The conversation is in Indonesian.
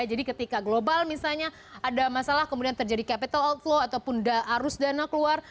jadi ketika global misalnya ada masalah kemudian terjadi capital outflow ataupun arus dana keluar